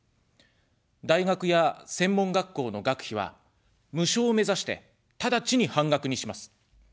大学や専門学校の学費は無償を目指して、ただちに半額にします。